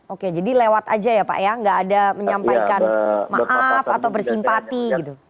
oke jadi lewat aja ya pak ya nggak ada menyampaikan maaf atau bersimpati gitu